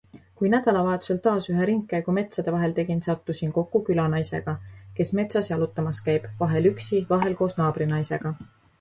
Kui nädalavahetusel taas ühe ringkäigu metsade vahel tegin, sattusin kokku külanaisega, kes metsas jalutamas käib, vahel üksi, vahel koos naabrinaisega.